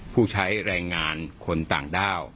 ผู้ใช้แรงงานคนต่างด้าว